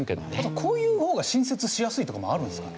こういう方が新設しやすいとかもあるんですかね？